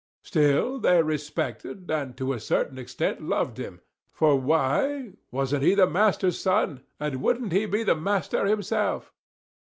Still, they respected and to a certain extent loved him; "for why? wasn't he the masther's son, and wouldn't he be the masther hisself?"